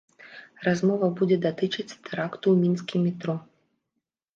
Размова будзе датычыць тэракту ў мінскім метро.